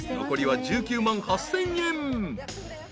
残りは１９万８，０００円］